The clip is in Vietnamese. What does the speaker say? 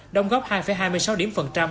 đồng góp hai hai mươi sáu điểm phần trăm